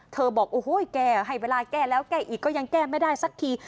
เธอบอกว่าเวลาแก้แล้วแก้อีกก็ยังแก้ไม่ได้สักที